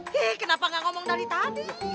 hei kenapa gak ngomong dari tadi